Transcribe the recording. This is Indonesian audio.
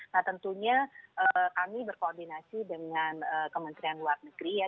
nah tentunya kami berkoordinasi dengan kementerian luar negeri ya